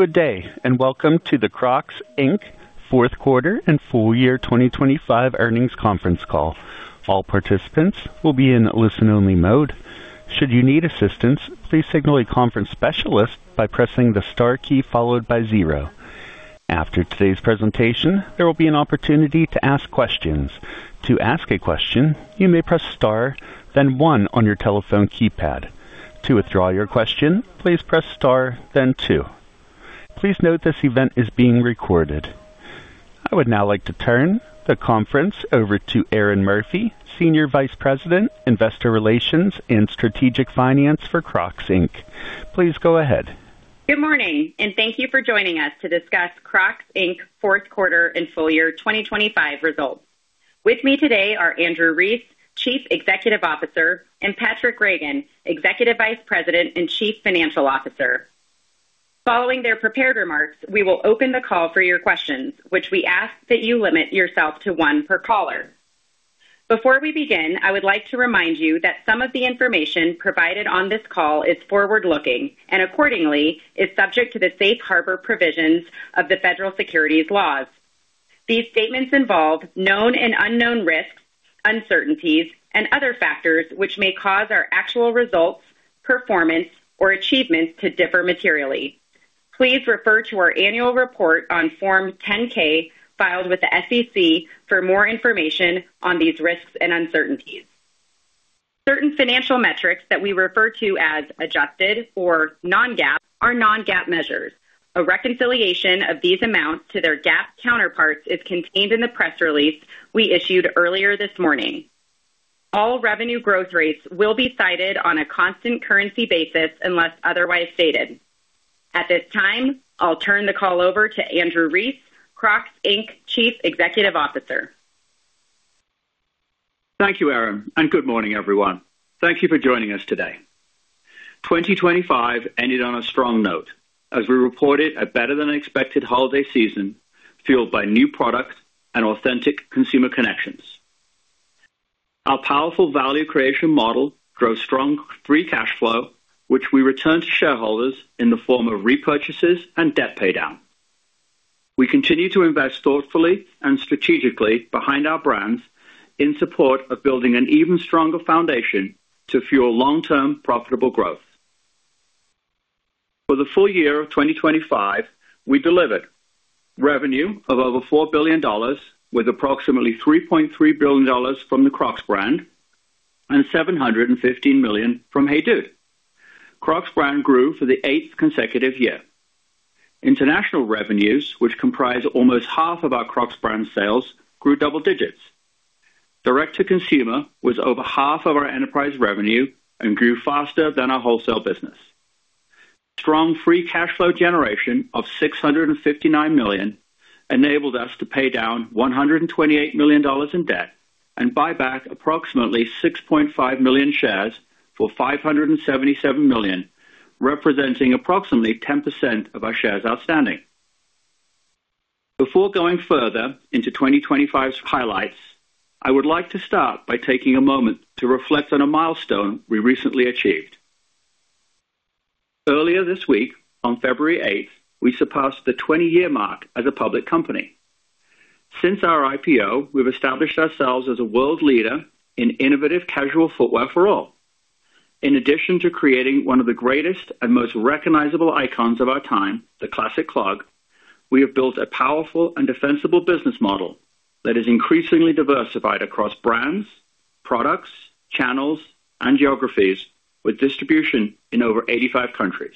Good day, and welcome to the Crocs, Inc. Fourth Quarter and Full Year 2025 earnings conference call. All participants will be in listen-only mode. Should you need assistance, please signal a conference specialist by pressing the star key followed by zero. After today's presentation, there will be an opportunity to ask questions. To ask a question, you may press star, then one on your telephone keypad. To withdraw your question, please press star, then 2. Please note this event is being recorded. I would now like to turn the conference over to Erinn Murphy, Senior Vice President, Investor Relations and Strategic Finance for Crocs, Inc. Please go ahead. Good morning, and thank you for joining us to discuss Crocs, Inc. Fourth Quarter and Full Year 2025 results. With me today are Andrew Rees, Chief Executive Officer, and Patraic Reagan, Executive Vice President and Chief Financial Officer. Following their prepared remarks, we will open the call for your questions, which we ask that you limit yourself to one per caller. Before we begin, I would like to remind you that some of the information provided on this call is forward-looking and accordingly, is subject to the safe harbor provisions of the federal securities laws. These statements involve known and unknown risks, uncertainties, and other factors which may cause our actual results, performance, or achievements to differ materially. Please refer to our annual report on Form 10-K, filed with the SEC for more information on these risks and uncertainties. Certain financial metrics that we refer to as adjusted or non-GAAP are non-GAAP measures. A reconciliation of these amounts to their GAAP counterparts is contained in the press release we issued earlier this morning. All revenue growth rates will be cited on a constant currency basis unless otherwise stated. At this time, I'll turn the call over to Andrew Rees, Crocs, Inc. Chief Executive Officer. Thank you, Erinn, and good morning, everyone. Thank you for joining us today. 2025 ended on a strong note as we reported a better-than-expected holiday season, fueled by new product and authentic consumer connections. Our powerful value creation model grows strong free cash flow, which we return to shareholders in the form of repurchases and debt paydown. We continue to invest thoughtfully and strategically behind our brands in support of building an even stronger foundation to fuel long-term profitable growth. For the full year of 2025, we delivered revenue of over $4 billion, with approximately $3.3 billion from the Crocs brand and $715 million from Hey Dude. Crocs brand grew for the 8th consecutive year. International revenues, which comprise almost half of our Crocs brand sales, grew double digits. Direct-to-consumer was over half of our enterprise revenue and grew faster than our wholesale business. Strong free cash flow generation of $659 million enabled us to pay down $128 million in debt and buy back approximately 6.5 million shares for $577 million, representing approximately 10% of our shares outstanding. Before going further into 2025's highlights, I would like to start by taking a moment to reflect on a milestone we recently achieved. Earlier this week, on February 8, we surpassed the 20-year mark as a public company. Since our IPO, we've established ourselves as a world leader in innovative casual footwear for all. In addition to creating one of the greatest and most recognizable icons of our time, the Classic Clog, we have built a powerful and defensible business model that is increasingly diversified across brands, products, channels, and geographies, with distribution in over 85 countries.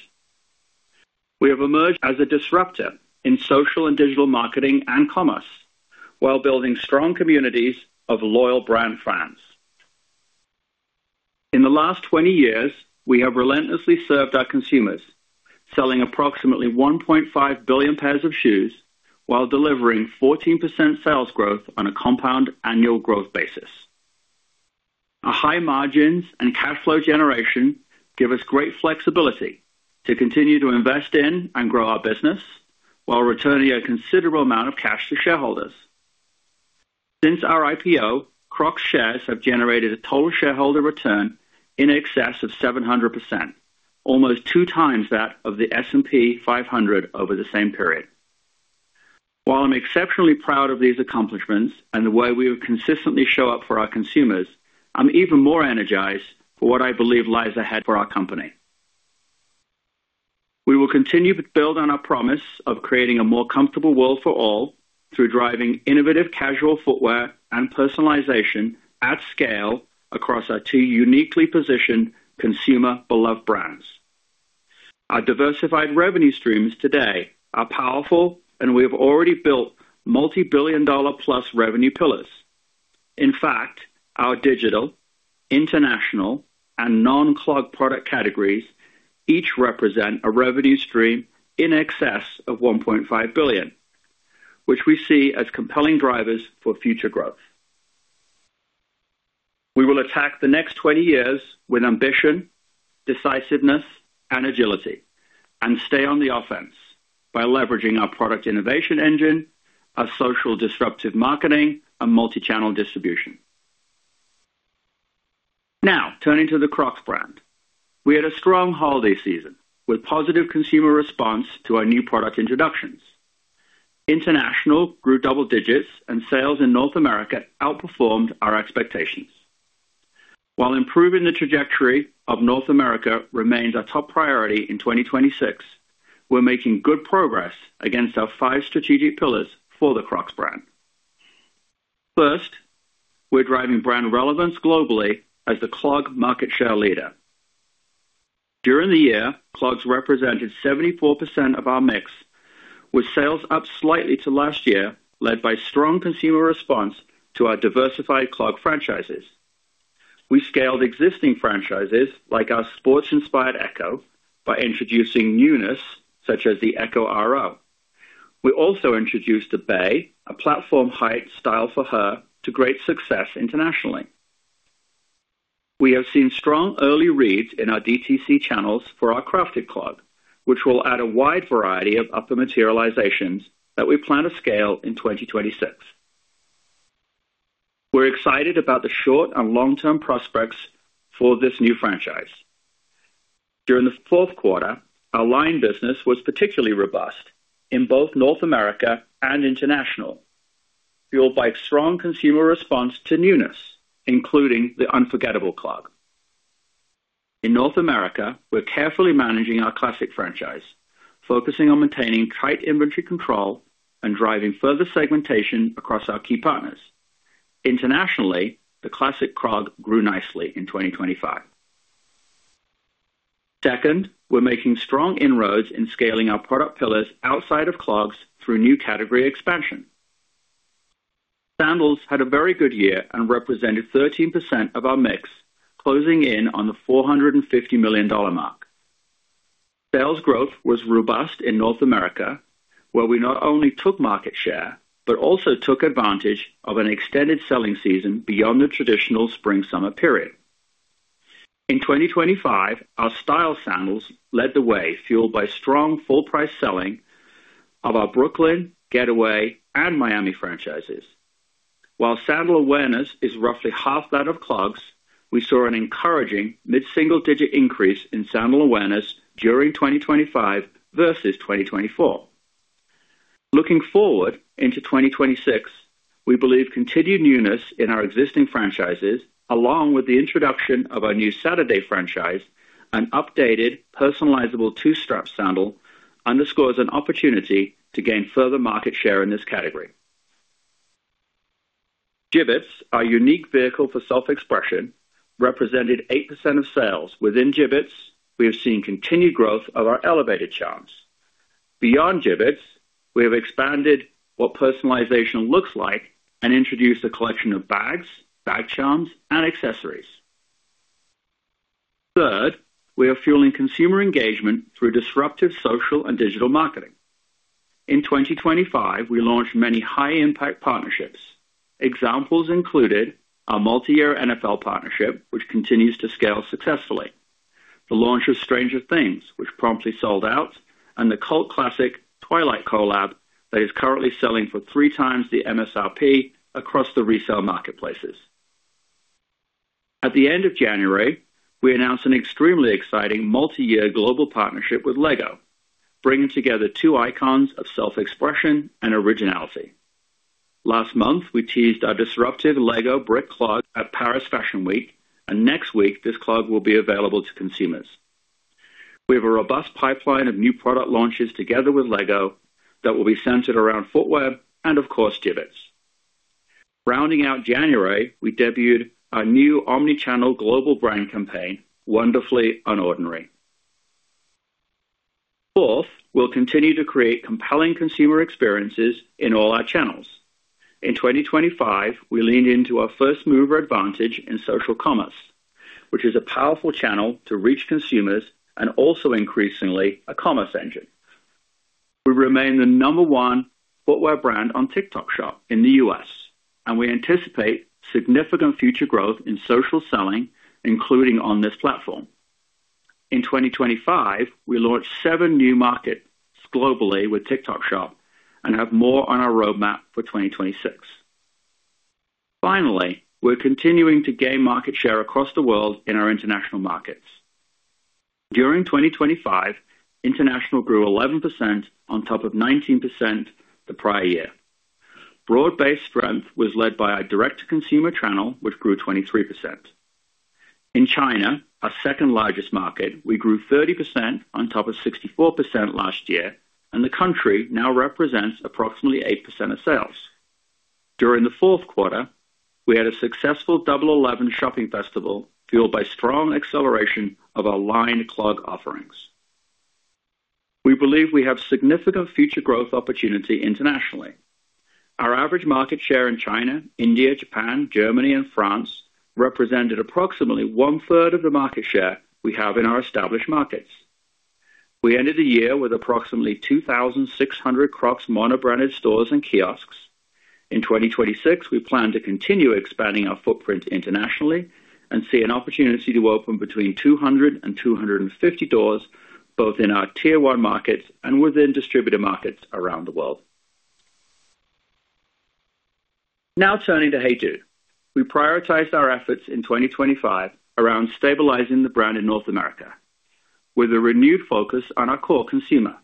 We have emerged as a disruptor in social and digital marketing and commerce, while building strong communities of loyal brand fans. In the last 20 years, we have relentlessly served our consumers, selling approximately 1.5 billion pairs of shoes while delivering 14% sales growth on a compound annual growth basis. Our high margins and cash flow generation give us great flexibility to continue to invest in and grow our business while returning a considerable amount of cash to shareholders. Since our IPO, Crocs shares have generated a total shareholder return in excess of 700%, almost two times that of the S&P 500 over the same period. While I'm exceptionally proud of these accomplishments and the way we have consistently show up for our consumers, I'm even more energized for what I believe lies ahead for our company. We will continue to build on our promise of creating a more comfortable world for all through driving innovative, casual footwear and personalization at scale across our two uniquely positioned consumer-beloved brands. Our diversified revenue streams today are powerful, and we have already built multi-billion-dollar plus revenue pillars. In fact, our digital, international, and non-clog product categories each represent a revenue stream in excess of $1.5 billion, which we see as compelling drivers for future growth. We will attack the next 20 years with ambition, decisiveness, and agility, and stay on the offense by leveraging our product innovation engine, our social disruptive marketing, and multi-channel distribution. Now, turning to the Crocs brand. We had a strong holiday season with positive consumer response to our new product introductions. International grew double digits, and sales in North America outperformed our expectations. While improving the trajectory of North America remains our top priority in 2026, we're making good progress against our five strategic pillars for the Crocs brand. First, we're driving brand relevance globally as the clog market share leader. During the year, clogs represented 74% of our mix, with sales up slightly to last year, led by strong consumer response to our diversified clog franchises. We scaled existing franchises like our sports-inspired Echo by introducing newness, such as the Echo RO. We also introduced the Bae, a platform height style for her, to great success internationally. We have seen strong early reads in our DTC channels for our Crafted Clog, which will add a wide variety of upper materializations that we plan to scale in 2026. We're excited about the short- and long-term prospects for this new franchise. During the fourth quarter, our Lined business was particularly robust in both North America and International, fueled by strong consumer response to newness, including the Unforgettable Clog. In North America, we're carefully managing our Classic franchise, focusing on maintaining tight inventory control and driving further segmentation across our key partners. Internationally, the Classic Clog grew nicely in 2025. Second, we're making strong inroads in scaling our product pillars outside of clogs through new category expansion. Sandals had a very good year and represented 13% of our mix, closing in on the $450 million mark. Sales growth was robust in North America, where we not only took market share, but also took advantage of an extended selling season beyond the traditional spring, summer period. In 2025, our style sandals led the way, fueled by strong full price selling of our Brooklyn, Getaway, and Miami franchises. While sandal awareness is roughly half that of clogs, we saw an encouraging mid-single-digit increase in sandal awareness during 2025 versus 2024. Looking forward into 2026, we believe continued newness in our existing franchises, along with the introduction of our new Saturday franchise, an updated personalizable two-strap sandal, underscores an opportunity to gain further market share in this category. Jibbitz, our unique vehicle for self-expression, represented 8% of sales. Within Jibbitz, we have seen continued growth of our elevated charms. Beyond Jibbitz, we have expanded what personalization looks like and introduced a collection of bags, bag charms and accessories. Third, we are fueling consumer engagement through disruptive social and digital marketing. In 2025, we launched many high-impact partnerships. Examples included our multiyear NFL partnership, which continues to scale successfully, the launch of Stranger Things, which promptly sold out, and the cult Classic Twilight collab that is currently selling for three times the MSRP across the resale marketplaces. At the end of January, we announced an extremely exciting multiyear global partnership with LEGO, bringing together two icons of self-expression and originality. Last month, we teased our disruptive LEGO Brick Clog at Paris Fashion Week, and next week, this clog will be available to consumers. We have a robust pipeline of new product launches together with LEGO that will be centered around footwear and, of course, Jibbitz. Rounding out January, we debuted our new omni-channel global brand campaign, Wonderfully Unordinary. Fourth, we'll continue to create compelling consumer experiences in all our channels. In 2025, we leaned into our first mover advantage in social commerce, which is a powerful channel to reach consumers and also increasingly a commerce engine. We remain the number one footwear brand on TikTok Shop in the U.S., and we anticipate significant future growth in social selling, including on this platform. In 2025, we launched seven new markets globally with TikTok Shop and have more on our roadmap for 2026. Finally, we're continuing to gain market share across the world in our international markets. During 2025, international grew 11% on top of 19% the prior year. Broad-based strength was led by our direct-to-consumer channel, which grew 23%. In China, our second-largest market, we grew 30% on top of 64% last year, and the country now represents approximately 8% of sales. During the fourth quarter, we had a successful Double Eleven shopping festival, fueled by strong acceleration of our Lined clog offerings. We believe we have significant future growth opportunity internationally. Our average market share in China, India, Japan, Germany, and France represented approximately one-third of the market share we have in our established markets. We ended the year with approximately 2,600 Crocs mono-branded stores and kiosks. In 2026, we plan to continue expanding our footprint internationally and see an opportunity to open between 200 and 250 stores, both in our Tier One markets and within distributor markets around the world.... Now turning to HEYDUDE. We prioritized our efforts in 2025 around stabilizing the brand in North America, with a renewed focus on our core consumer.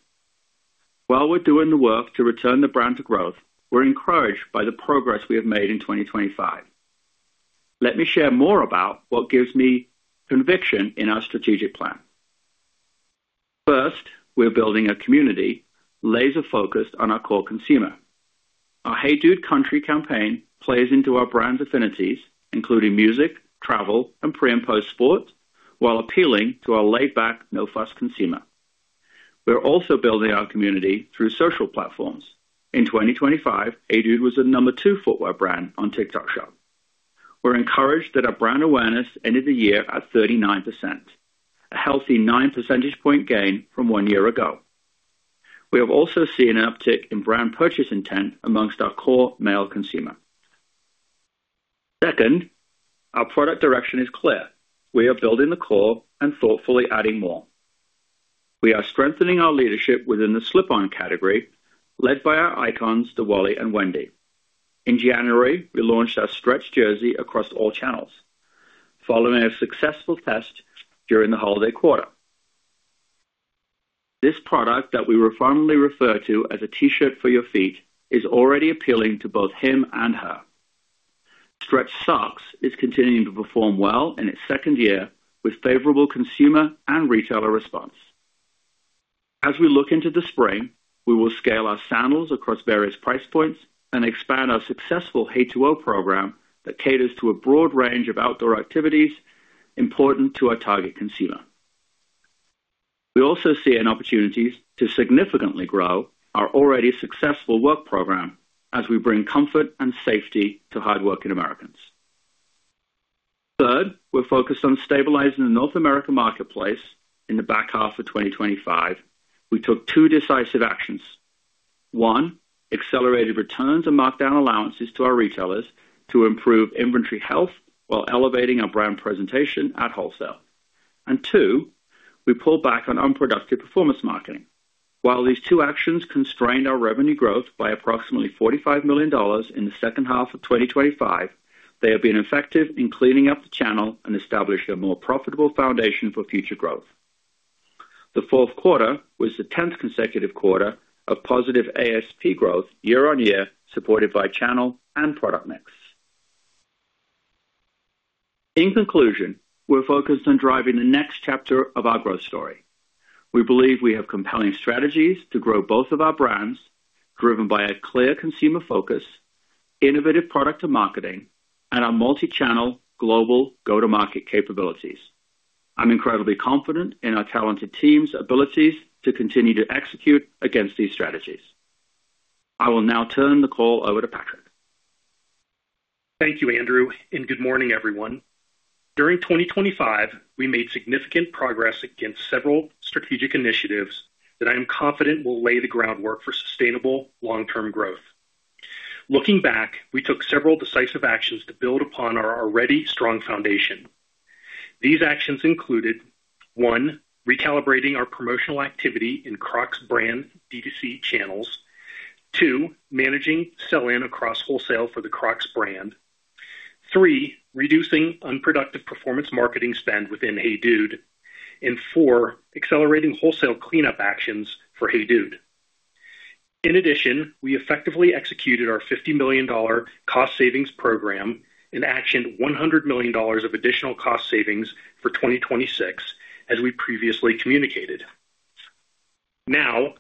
While we're doing the work to return the brand to growth, we're encouraged by the progress we have made in 2025. Let me share more about what gives me conviction in our strategic plan. First, we are building a community laser focused on our core consumer. Our HEYDUDE Country campaign plays into our brand affinities, including music, travel, and pre and post sports, while appealing to our laid back, no-fuss consumer. We are also building our community through social platforms. In 2025, HEYDUDE was the number two footwear brand on TikTok Shop. We're encouraged that our brand awareness ended the year at 39%, a healthy 9 percentage point gain from one year ago. We have also seen an uptick in brand purchase intent among our core male consumer. Second, our product direction is clear. We are building the core and thoughtfully adding more. We are strengthening our leadership within the slip-on category, led by our icons, the Wally and Wendy. In January, we launched our Stretch Jersey across all channels, following a successful test during the holiday quarter. This product, that we firmly refer to as a T-shirt for your feet, is already appealing to both him and her. Stretch Sox is continuing to perform well in its second year with favorable consumer and retailer response. As we look into the spring, we will scale our sandals across various price points and expand our successful Hey2O program that caters to a broad range of outdoor activities important to our target consumer. We also see an opportunity to significantly grow our already successful work program as we bring comfort and safety to hardworking Americans. Third, we're focused on stabilizing the North American marketplace. In the back half of 2025, we took two decisive actions. One, accelerated returns and markdown allowances to our retailers to improve inventory health while elevating our brand presentation at wholesale. And two, we pulled back on unproductive performance marketing. While these two actions constrained our revenue growth by approximately $45 million in the second half of 2025, they have been effective in cleaning up the channel and established a more profitable foundation for future growth. The fourth quarter was the 10th consecutive quarter of positive ASP growth year-over-year, supported by channel and product mix. In conclusion, we're focused on driving the next chapter of our growth story. We believe we have compelling strategies to grow both of our brands, driven by a clear consumer focus, innovative product to marketing, and our multi-channel global go-to-market capabilities. I'm incredibly confident in our talented team's abilities to continue to execute against these strategies. I will now turn the call over to Patraic. Thank you, Andrew, and good morning, everyone. During 2025, we made significant progress against several strategic initiatives that I am confident will lay the groundwork for sustainable long-term growth. Looking back, we took several decisive actions to build upon our already strong foundation. These actions included, one, recalibrating our promotional activity in Crocs brand D2C channels. two, managing sell-in across wholesale for the Crocs brand. three, reducing unproductive performance marketing spend within Hey Dude. And four, accelerating wholesale cleanup actions for Hey Dude. In addition, we effectively executed our $50 million cost savings program and actioned $100 million of additional cost savings for 2026, as we previously communicated. Now,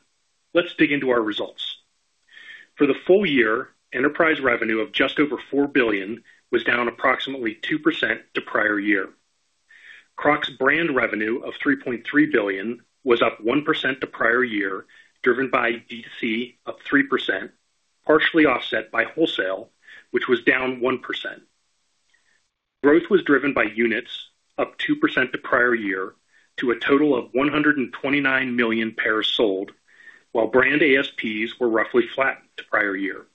let's dig into our results. For the full year, enterprise revenue of just over $4 billion was down approximately 2% to prior year. Crocs brand revenue of $3.3 billion was up 1% to prior year, driven by D2C, up 3%, partially offset by wholesale, which was down 1%. Growth was driven by units, up 2% to prior year to a total of 129 million pairs sold, while brand ASPs were roughly flat to prior year.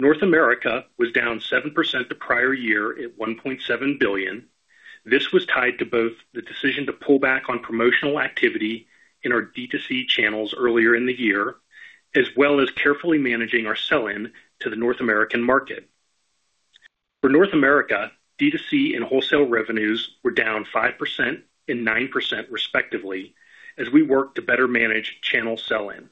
North America was down 7% to prior year at $1.7 billion. This was tied to both the decision to pull back on promotional activity in our D2C channels earlier in the year, as well as carefully managing our sell-in to the North American market. For North America, D2C and wholesale revenues were down 5% and 9%, respectively, as we worked to better manage channel sell-in.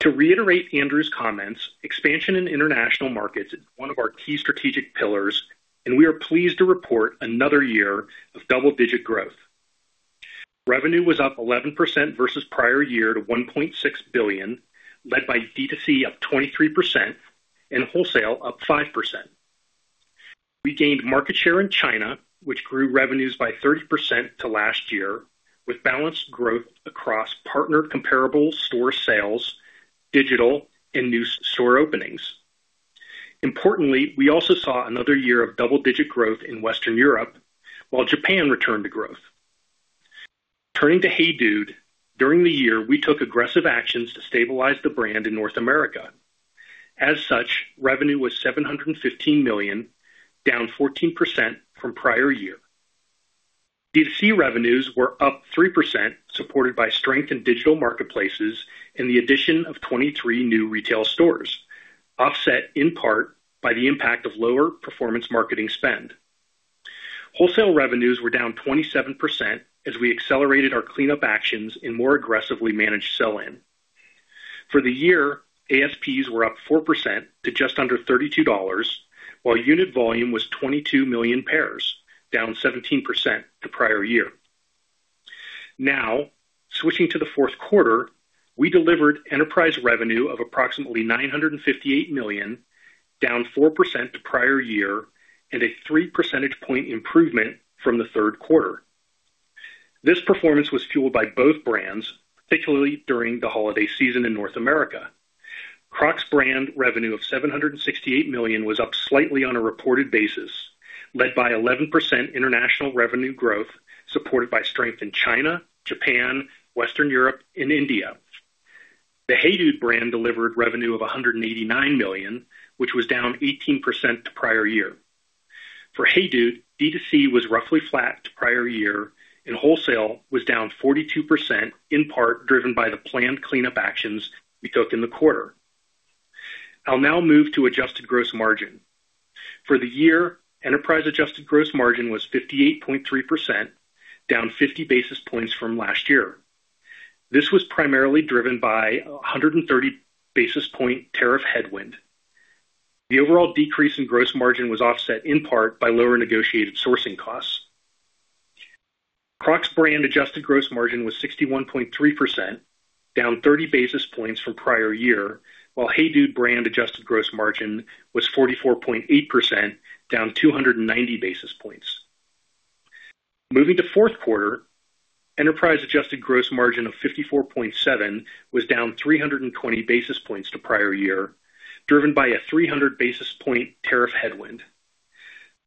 To reiterate Andrew's comments, expansion in international markets is one of our key strategic pillars, and we are pleased to report another year of double-digit growth. Revenue was up 11% versus prior year to $1.6 billion, led by D2C, up 23% and wholesale up 5%. We gained market share in China, which grew revenues by 30% to last year, with balanced growth across partner comparable store sales, digital, and new store openings. Importantly, we also saw another year of double-digit growth in Western Europe, while Japan returned to growth. Turning to HEYDUDE, during the year, we took aggressive actions to stabilize the brand in North America. As such, revenue was $715 million, down 14% from prior year. D2C revenues were up 3%, supported by strength in digital marketplaces and the addition of 23 new retail stores, offset in part by the impact of lower performance marketing spend. Wholesale revenues were down 27% as we accelerated our cleanup actions and more aggressively managed sell-in. For the year, ASPs were up 4% to just under $32, while unit volume was 22 million pairs, down 17% the prior year. Now, switching to the fourth quarter, we delivered enterprise revenue of approximately $958 million, down 4% to prior year, and a three percentage point improvement from the third quarter. This performance was fueled by both brands, particularly during the holiday season in North America. Crocs brand revenue of $768 million was up slightly on a reported basis, led by 11% international revenue growth, supported by strength in China, Japan, Western Europe and India. The Hey Dude brand delivered revenue of $189 million, which was down 18% to prior year. For Hey Dude, D2C was roughly flat to prior year, and wholesale was down 42%, in part driven by the planned cleanup actions we took in the quarter. I'll now move to adjusted gross margin. For the year, enterprise adjusted gross margin was 58.3%, down 50 basis points from last year. This was primarily driven by a 130 basis point tariff headwind. The overall decrease in gross margin was offset in part by lower negotiated sourcing costs. Crocs brand adjusted gross margin was 61.3%, down 30 basis points from prior year, while HEYDUDE brand adjusted gross margin was 44.8%, down 290 basis points. Moving to fourth quarter, enterprise adjusted gross margin of 54.7 was down 320 basis points to prior year, driven by a 300 basis point tariff headwind.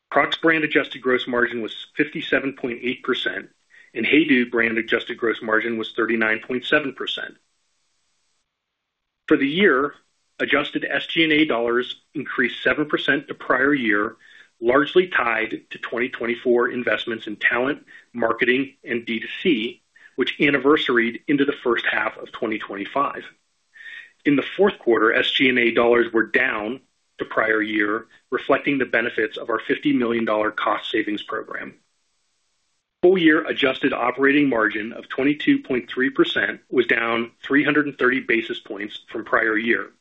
Crocs brand adjusted gross margin was 57.8%, and HEYDUDE brand adjusted gross margin was 39.7%. For the year, adjusted SG&A dollars increased 7% to prior year, largely tied to 2024 investments in talent, marketing and D2C, which anniversaried into the first half of 2025. In the fourth quarter, SG&A dollars were down to prior year, reflecting the benefits of our $50 million cost savings program. Full-year adjusted operating margin of 22.3% was down 330 basis points from prior year.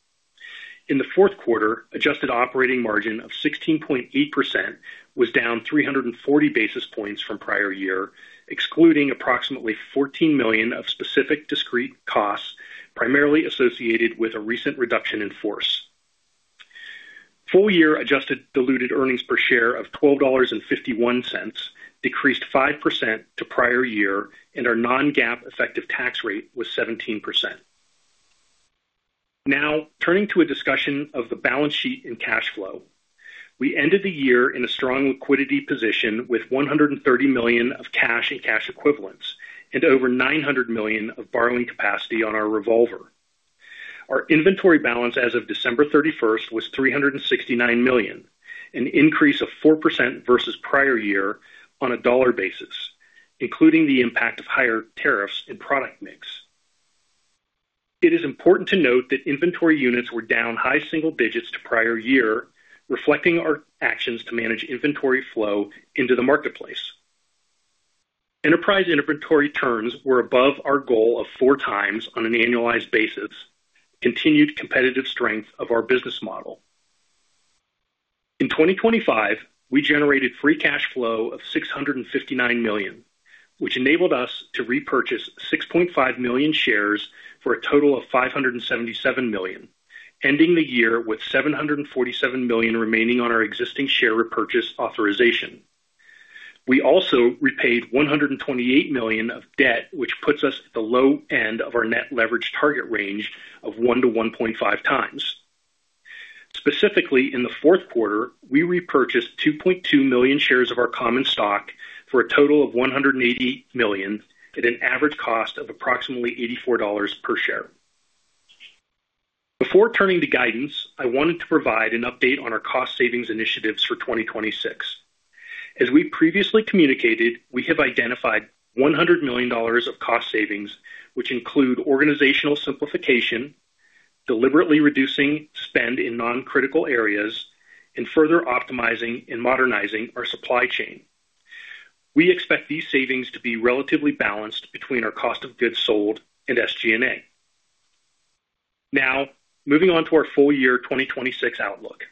In the fourth quarter, adjusted operating margin of 16.8% was down 340 basis points from prior year, excluding approximately $14 million of specific discrete costs, primarily associated with a recent reduction in force. Full-year adjusted diluted earnings per share of $12.51 decreased 5% to prior year, and our non-GAAP effective tax rate was 17%. Now, turning to a discussion of the balance sheet and cash flow. We ended the year in a strong liquidity position with $130 million of cash and cash equivalents, and over $900 million of borrowing capacity on our revolver. Our inventory balance as of December 31, was $369 million, an increase of 4% versus prior year on a dollar basis, including the impact of higher tariffs and product mix. It is important to note that inventory units were down high single digits to prior year, reflecting our actions to manage inventory flow into the marketplace. Enterprise inventory turns were above our goal of four times on an annualized basis, continued competitive strength of our business model. In 2025, we generated free cash flow of $659 million, which enabled us to repurchase 6.5 million shares for a total of $577 million, ending the year with $747 million remaining on our existing share repurchase authorization. We also repaid $128 million of debt, which puts us at the low end of our net leverage target range of 1-1.5 times. Specifically, in the fourth quarter, we repurchased 2.2 million shares of our common stock for a total of $180 million, at an average cost of approximately $84 per share. Before turning to guidance, I wanted to provide an update on our cost savings initiatives for 2026. As we previously communicated, we have identified $100 million of cost savings, which include organizational simplification, deliberately reducing spend in non-critical areas, and further optimizing and modernizing our supply chain. We expect these savings to be relatively balanced between our cost of goods sold and SG&A. Now, moving on to our full year 2026 outlook.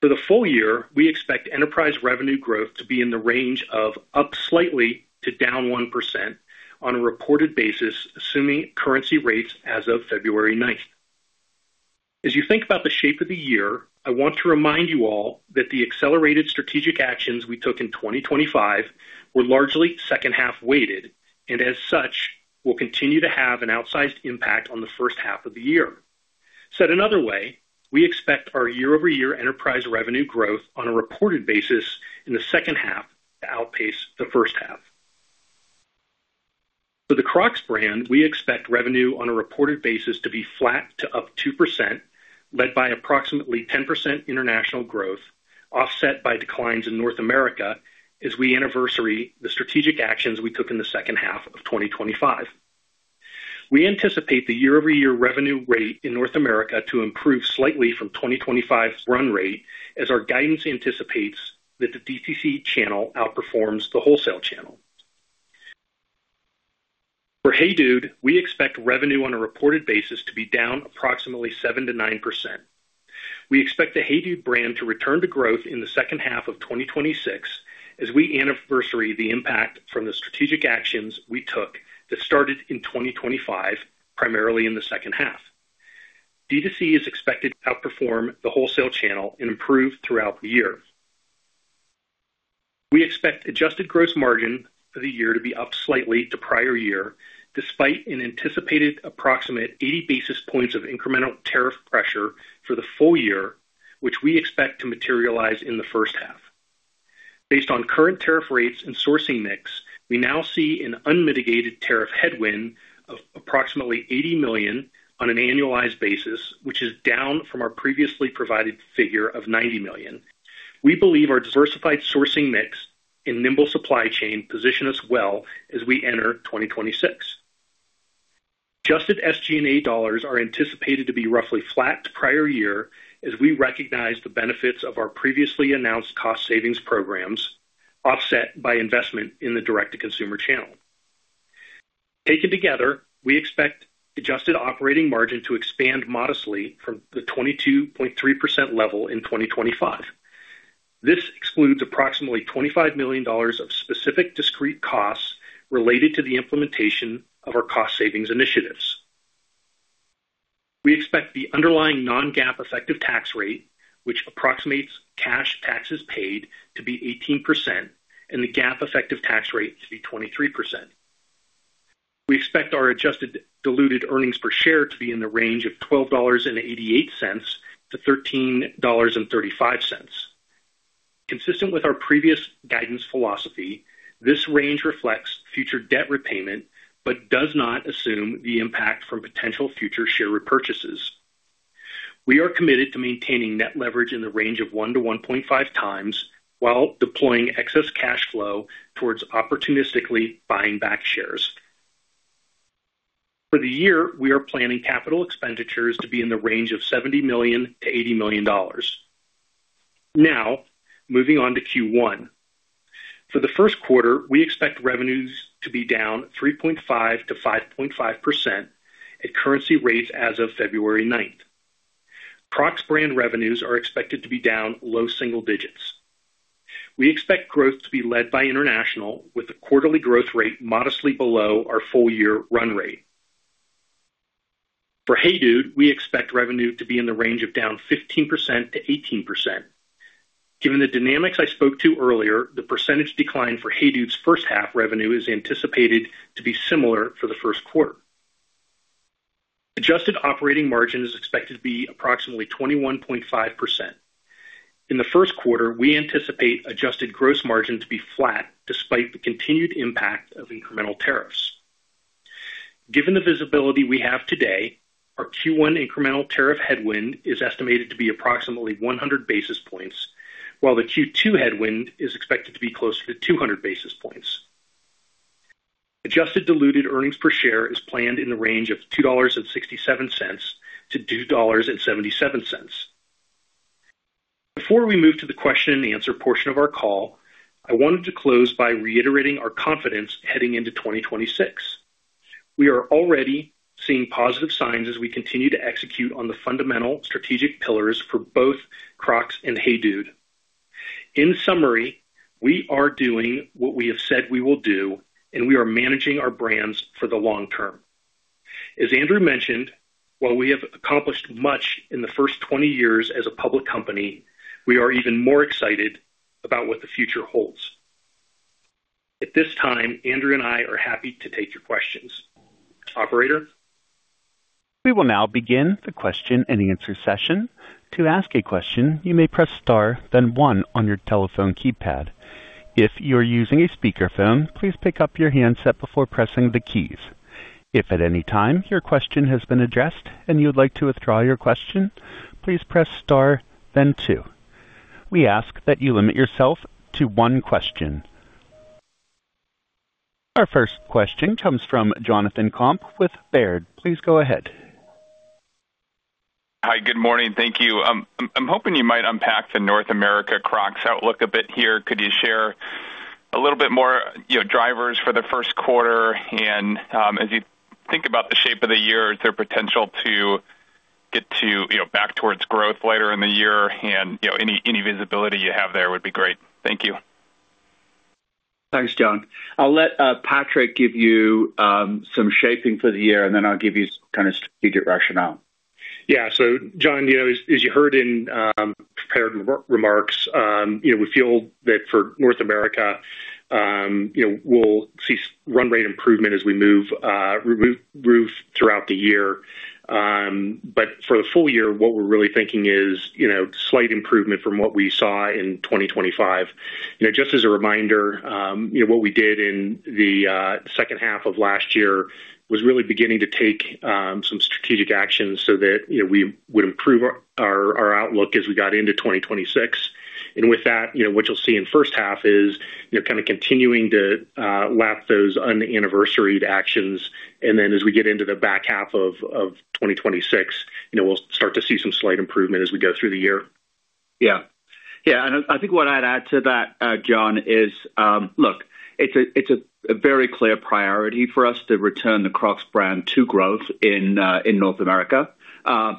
For the full year, we expect enterprise revenue growth to be in the range of up slightly to down 1% on a reported basis, assuming currency rates as of February 9th. As you think about the shape of the year, I want to remind you all that the accelerated strategic actions we took in 2025 were largely second half weighted, and as such, will continue to have an outsized impact on the first half of the year. Said another way, we expect our year-over-year enterprise revenue growth on a reported basis in the second half to outpace the first half. For the Crocs brand, we expect revenue on a reported basis to be flat to up 2%, led by approximately 10% international growth, offset by declines in North America as we anniversary the strategic actions we took in the second half of 2025. We anticipate the year-over-year revenue rate in North America to improve slightly from 2025's run rate, as our guidance anticipates that the DTC channel outperforms the wholesale channel. For Hey Dude, we expect revenue on a reported basis to be down approximately 7%-9%. We expect the Hey Dude brand to return to growth in the second half of 2026 as we anniversary the impact from the strategic actions we took that started in 2025, primarily in the second half. DTC is expected to outperform the wholesale channel and improve throughout the year. We expect adjusted gross margin for the year to be up slightly to prior year, despite an anticipated approximate 80 basis points of incremental tariff pressure for the full year, which we expect to materialize in the first half. Based on current tariff rates and sourcing mix, we now see an unmitigated tariff headwind of approximately $80 million on an annualized basis, which is down from our previously provided figure of $90 million. We believe our diversified sourcing mix and nimble supply chain position us well as we enter 2026. Adjusted SG&A dollars are anticipated to be roughly flat to prior year as we recognize the benefits of our previously announced cost savings programs, offset by investment in the direct-to-consumer channel. Taken together, we expect adjusted operating margin to expand modestly from the 22.3% level in 2025. This excludes approximately $25 million of specific discrete costs related to the implementation of our cost savings initiatives. We expect the underlying non-GAAP effective tax rate, which approximates cash taxes paid, to be 18% and the GAAP effective tax rate to be 23%. We expect our adjusted diluted earnings per share to be in the range of $12.88-$13.35. Consistent with our previous guidance philosophy, this range reflects future debt repayment, but does not assume the impact from potential future share repurchases. We are committed to maintaining net leverage in the range of 1-1.5x, while deploying excess cash flow towards opportunistically buying back shares. For the year, we are planning capital expenditures to be in the range of $70 million-$80 million. Now, moving on to Q1. For the first quarter, we expect revenues to be down 3.5%-5.5% at currency rates as of February 9. Crocs brand revenues are expected to be down low single digits. We expect growth to be led by international, with the quarterly growth rate modestly below our full year run rate. For HEYDUDE, we expect revenue to be in the range of down 15%-18%. Given the dynamics I spoke to earlier, the percentage decline for HEYDUDE's first half revenue is anticipated to be similar for the first quarter. Adjusted operating margin is expected to be approximately 21.5%. In the first quarter, we anticipate adjusted gross margin to be flat, despite the continued impact of incremental tariffs. Given the visibility we have today, our Q1 incremental tariff headwind is estimated to be approximately 100 basis points, while the Q2 headwind is expected to be closer to 200 basis points. Adjusted diluted earnings per share is planned in the range of $2.67-$2.77. Before we move to the question and answer portion of our call, I wanted to close by reiterating our confidence heading into 2026. We are already seeing positive signs as we continue to execute on the fundamental strategic pillars for both Crocs and HEYDUDE. In summary, we are doing what we have said we will do, and we are managing our brands for the long term. As Andrew mentioned, while we have accomplished much in the first 20 years as a public company, we are even more excited about what the future holds. At this time, Andrew and I are happy to take your questions. Operator? We will now begin the question and answer session. To ask a question, you may press star, then one on your telephone keypad. If you are using a speakerphone, please pick up your handset before pressing the keys. If at any time your question has been addressed and you would like to withdraw your question, please press star, then two. We ask that you limit yourself to one question. Our first question comes from Jonathan Komp with Baird. Please go ahead. Hi, good morning. Thank you. I'm hoping you might unpack the North America Crocs outlook a bit here. Could you share a little bit more, you know, drivers for the first quarter? And, as you think about the shape of the year, is there potential to get to, you know, back towards growth later in the year? And, you know, any visibility you have there would be great. Thank you. Thanks, John. I'll let Patraic give you some shaping for the year, and then I'll give you kind of strategic rationale. Yeah. So John, you know, as you heard in prepared remarks, you know, we feel that for North America, you know, we'll see run rate improvement as we move throughout the year. But for the full year, what we're really thinking is, you know, slight improvement from what we saw in 2025. You know, just as a reminder, you know, what we did in the second half of last year was really beginning to take some strategic actions so that, you know, we would improve our outlook as we got into 2026. With that, you know, what you'll see in first half is, you know, kind of continuing to lap those un-anniversaried actions. Then as we get into the back half of 2026, you know, we'll start to see some slight improvement as we go through the year. Yeah. Yeah, and I think what I'd add to that, John, is, look, it's a, it's a very clear priority for us to return the Crocs brand to growth in, in North America. As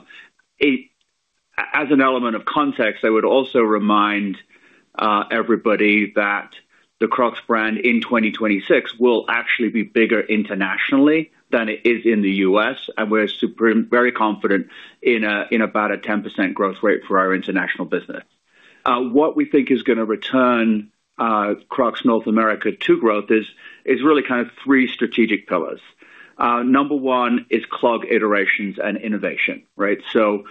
an element of context, I would also remind everybody that the Crocs brand in 2026 will actually be bigger internationally than it is in the U.S., and we're very confident in, in about a 10% growth rate for our international business. What we think is gonna return, Crocs North America to growth is, is really kind of three strategic pillars. Number one is clog iterations and innovation, right? So,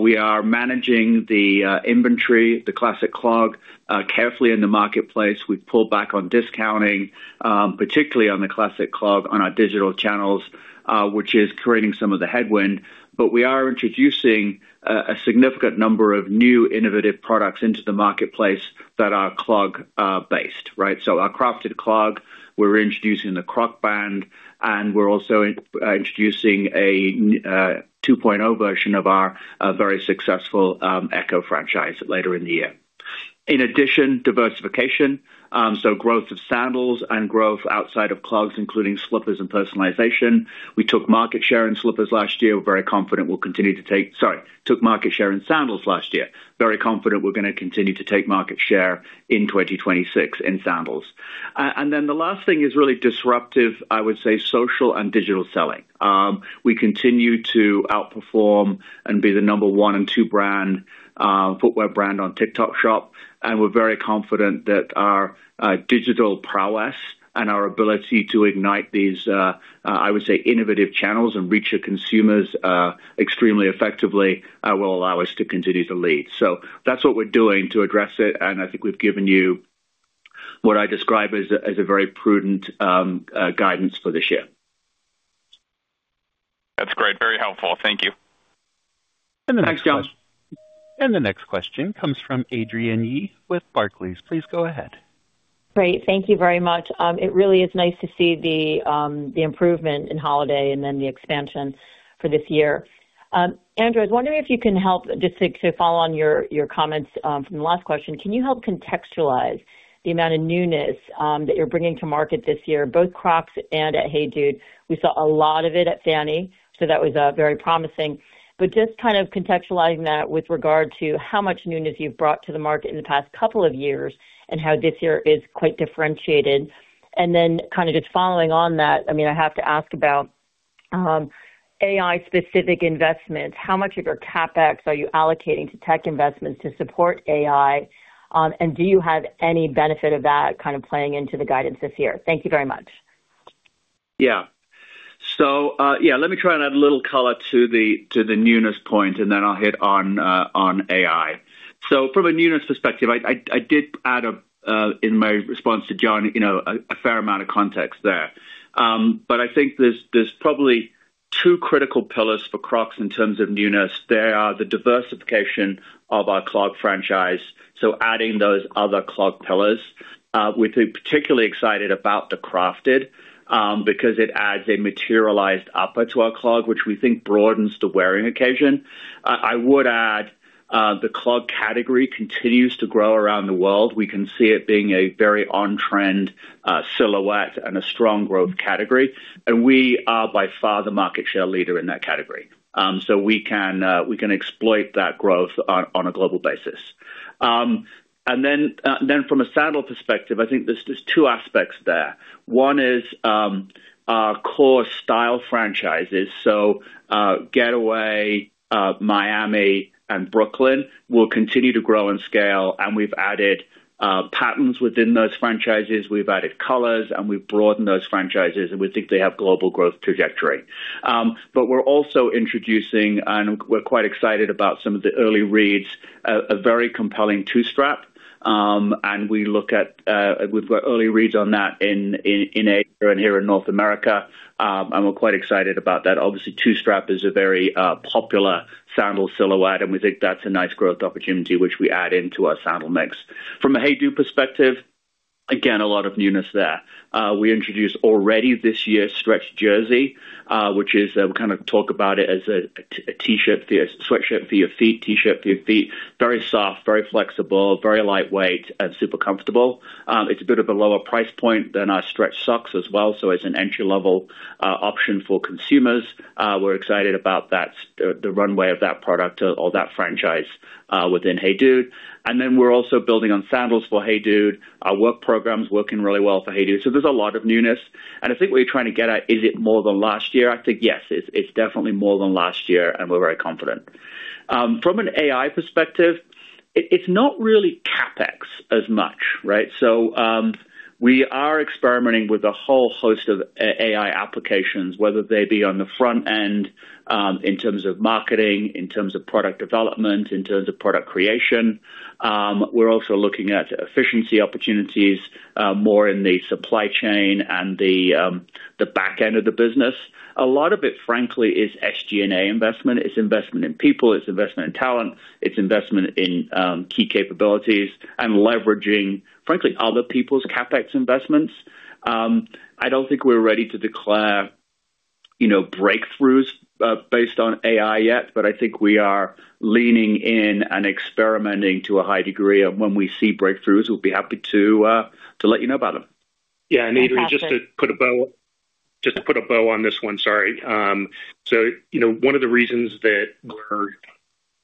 we are managing the, inventory, the Classic Clog, carefully in the marketplace. We've pulled back on discounting, particularly on the Classic Clog on our digital channels, which is creating some of the headwind. But we are introducing a significant number of new innovative products into the marketplace that are clog based, right? So our Crafted Clog, we're introducing the Crocband, and we're also introducing a new 2.0 version of our very successful Echo franchise later in the year. In addition, diversification. So growth of sandals and growth outside of clogs, including slippers and personalization. We took market share in slippers last year. We're very confident we'll continue to take... Sorry, took market share in sandals last year. Very confident we're gonna continue to take market share in 2026 in sandals. And then the last thing is really disruptive, I would say, social and digital selling. We continue to outperform and be the number one and two brand, footwear brand on TikTok Shop, and we're very confident that our digital prowess and our ability to ignite these, I would say, innovative channels and reach the consumers extremely effectively, will allow us to continue to lead. So that's what we're doing to address it, and I think we've given you what I describe as a, as a very prudent, guidance for this year. That's great. Very helpful. Thank you. Thanks, John. The next question comes from Adrienne Yih with Barclays. Please go ahead. Great. Thank you very much. It really is nice to see the improvement in holiday and then the expansion for this year. Andrew, I was wondering if you can help, just to follow on your comments from the last question, can you help contextualize the amount of newness that you're bringing to market this year, both Crocs and at Hey Dude? We saw a lot of it at FFANY, so that was very promising. But just kind of contextualizing that with regard to how much newness you've brought to the market in the past couple of years and how this year is quite differentiated. And then kind of just following on that, I mean, I have to ask about AI-specific investments. How much of your CapEx are you allocating to tech investments to support AI? Do you have any benefit of that kind of playing into the guidance this year? Thank you very much. Yeah. So, yeah, let me try and add a little color to the newness point, and then I'll hit on on AI. So from a newness perspective, I did add in my response to John, you know, a fair amount of context there. But I think there's probably two critical pillars for Crocs in terms of newness. They are the diversification of our clog franchise, so adding those other clog pillars. We've been particularly excited about the Crafted because it adds a materialized upper to our clog, which we think broadens the wearing occasion. I would add the clog category continues to grow around the world. We can see it being a very on-trend silhouette and a strong growth category, and we are by far the market share leader in that category. So we can, we can exploit that growth on, on a global basis. And then, then from a sandal perspective, I think there's, there's two aspects there. One is, our core style franchises. So, Getaway, Miami and Brooklyn will continue to grow and scale, and we've added, patterns within those franchises, we've added colors, and we've broadened those franchises, and we think they have global growth trajectory. But we're also introducing, and we're quite excited about some of the early reads, a, a very compelling two-strap. And we look at, we've got early reads on that in, in, in Asia and here in North America, and we're quite excited about that. Obviously, two-strap is a very, popular sandal silhouette, and we think that's a nice growth opportunity, which we add into our sandal mix. From a HEYDUDE perspective, again, a lot of newness there. We introduced already this year Stretch Jersey, which is, we kind of talk about it as a T-shirt, sweatshirt for your feet, T-shirt for your feet. Very soft, very flexible, very lightweight, and super comfortable. It's a bit of a lower price point than our Stretch Sox as well, so it's an entry-level option for consumers. We're excited about that, the runway of that product or that franchise within HEYDUDE. And then we're also building on sandals for HEYDUDE. Our Hey2O program is working really well for HEYDUDE. So there's a lot of newness, and I think what you're trying to get at, is it more than last year? I think, yes, it's, it's definitely more than last year, and we're very confident. From an AI perspective, it's not really CapEx as much, right? So, we are experimenting with a whole host of AI applications, whether they be on the front end, in terms of marketing, in terms of product development, in terms of product creation. We're also looking at efficiency opportunities, more in the supply chain and the back end of the business. A lot of it, frankly, is SG&A investment. It's investment in people, it's investment in talent, it's investment in key capabilities and leveraging, frankly, other people's CapEx investments.... I don't think we're ready to declare, you know, breakthroughs based on AI yet, but I think we are leaning in and experimenting to a high degree, and when we see breakthroughs, we'll be happy to let you know about them. Yeah, and, Adrienne, just to put a bow, just to put a bow on this one, sorry. So, you know, one of the reasons that we're,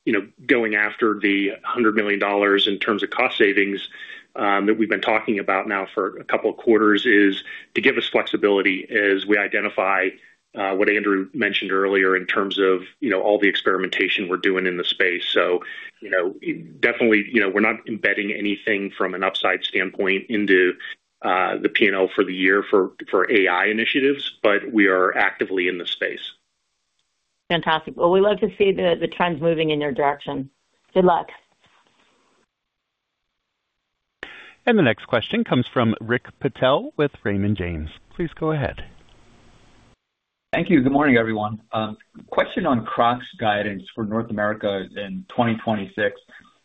you know, going after the $100 million in terms of cost savings that we've been talking about now for a couple of quarters is to give us flexibility as we identify what Andrew mentioned earlier in terms of, you know, all the experimentation we're doing in the space. So, you know, definitely, you know, we're not embedding anything from an upside standpoint into the P&L for the year for AI initiatives, but we are actively in the space. Fantastic. Well, we love to see the trends moving in your direction. Good luck. The next question comes from Rick Patel with Raymond James. Please go ahead. Thank you. Good morning, everyone. Question on Crocs guidance for North America in 2026.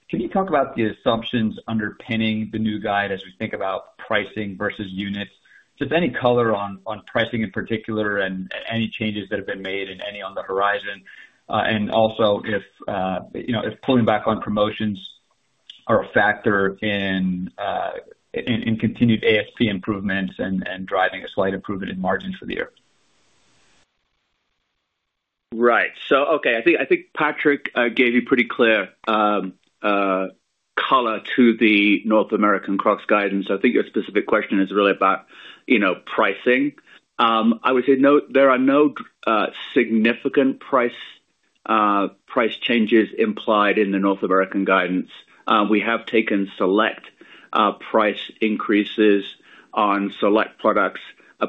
Can you talk about the assumptions underpinning the new guide as we think about pricing versus units? Just any color on pricing in particular and any changes that have been made and any on the horizon. And also if you know, if pulling back on promotions are a factor in continued ASP improvements and driving a slight improvement in margins for the year. Right. So, okay, I think, I think Patrick gave you pretty clear color to the North American Crocs guidance. So I think your specific question is really about, you know, pricing. I would say no, there are no significant price changes implied in the North American guidance. We have taken select price increases on select products,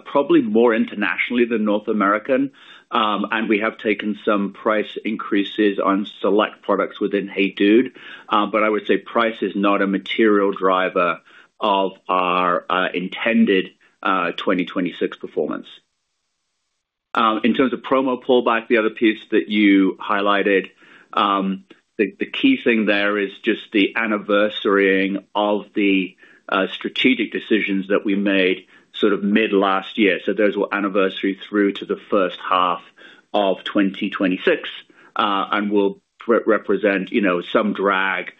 probably more internationally than North American. And we have taken some price increases on select products within HEYDUDE. But I would say price is not a material driver of our intended 2026 performance. In terms of promo pullback, the other piece that you highlighted, the key thing there is just the anniversarying of the strategic decisions that we made sort of mid last year. Those will anniversary through to the first half of 2026 and will represent, you know, some drag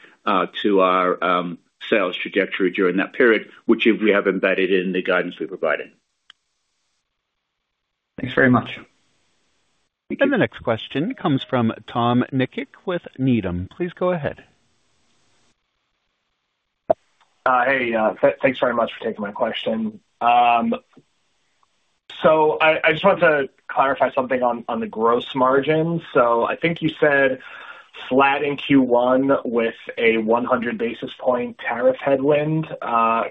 to our sales trajectory during that period, which we have embedded in the guidance we provided. Thanks very much. The next question comes from Tom Nikic with Needham. Please go ahead. Hey, thanks very much for taking my question. So I just wanted to clarify something on the gross margin. So I think you said flat in Q1 with a 100 basis points tariff headwind.